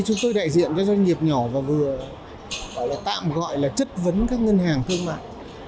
chúng tôi đại diện cho doanh nghiệp nhỏ và vừa gọi là tạm gọi là chất vấn các ngân hàng thương mại